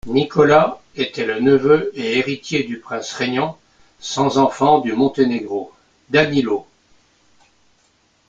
Nikola était le neveu et héritier du prince régnant sans enfants du Monténégro Danilo.